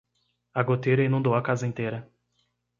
A goteira inundou a casa inteira